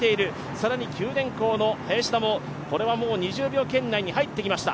更に九電工の林田もこれはもう２０秒圏内に入ってきました。